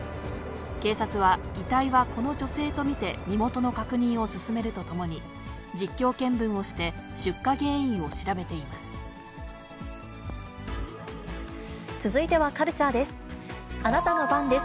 警察は、遺体はこの女性と見て身元の確認を進めるとともに、実況見分をして、続いてはカルチャーです。